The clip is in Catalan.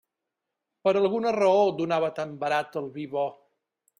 Per alguna raó donava tan barat el vi bo!